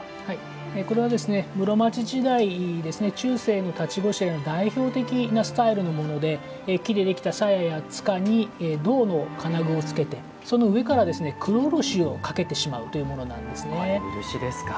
これは室町時代中世に使われた代表的なスタイルのもので木でできた鞘や柄に銅の金具をつけてその上から黒漆をかけてしまうというものです。